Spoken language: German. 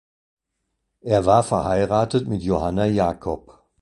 Er war verheiratet mit Johanna Jacob.